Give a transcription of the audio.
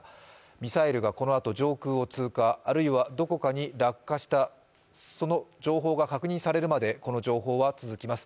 ミサイルがこのあと上空を通過、あるいはどこかに落下した情報が確認されるまでこの情報は続きます。